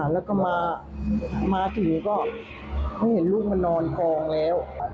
แล้วก็มาถึงก็เขาเห็นลูกมานอนกองแล้ว